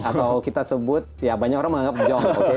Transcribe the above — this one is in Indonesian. atau kita sebut ya banyak orang menganggap zong